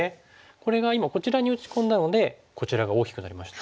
これが今こちらに打ち込んだのでこちらが大きくなりました。